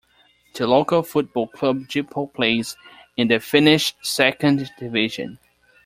The local football club Jippo plays in the Finnish second Division.